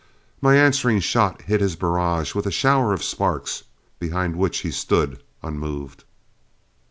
My answering shot hit his barrage with a shower of sparks, behind which he stood unmoved.